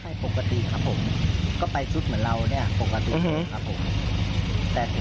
เป็นผู้ช่วยจังหวัดประเทศประสาทและเป็นท่าวิญญาณที่การอำเติบสัตวิน